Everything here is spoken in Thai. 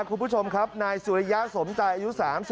สักครั้งนึงเนี่ยลูกน้องหนูที่นอนอยู่ในนี้